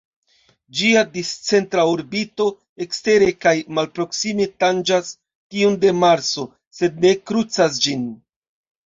Ĝia discentra orbito ekstere kaj malproksime tanĝas tiun de Marso, sed ne krucas ĝin.